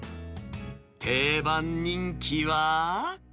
定番人気は。